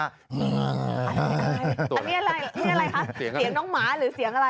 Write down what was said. อันนี้อะไรคะเหลียงน้องหมาหรือเสียงอะไร